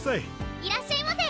いらっしゃいませ！